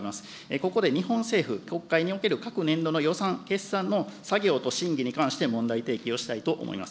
ここで日本政府、国会における各年度の予算、決算の作業と審議に関して問題提起をしたいと思います。